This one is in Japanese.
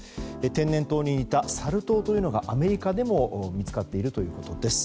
天然痘に似た、サル痘というのがアメリカでも見つかっているということです。